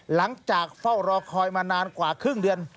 หลังจากเฝ้ารอคอยมานานกว่าครึ่งเดือน